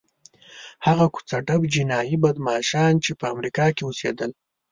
هغه کوڅه ډب جنایي بدماشان چې په امریکا کې اوسېدل.